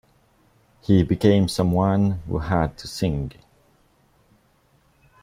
He became someone who had to sing.